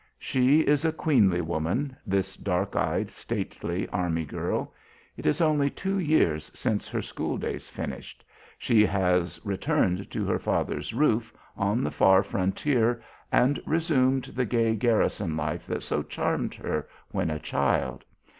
She is a queenly woman, this dark eyed, stately army girl. It is only two years since, her school days finished, she has returned to her father's roof on the far frontier and resumed the gay garrison life that so charmed her when a child.